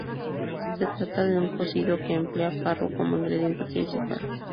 Se trata de un cocido que emplea "farro" como ingrediente principal.